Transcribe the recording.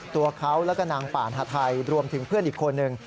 ตัวเขาแล้วก็นางป่านฮาไทยรวมถึงเพื่อนอีกคนนึง